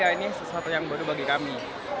ini sesuatu yang baru bagi kami